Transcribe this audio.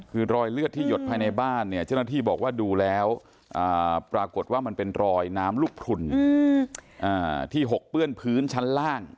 คือรอยเลือดที่หยดภายในบ้านเนี่ยเจ้าหน้าที่บอกว่าดูแล้วปรากฏว่ามันเป็นรอยน้ำลูกพลุนที่หกเปื้อนพื้นชั้นล่าง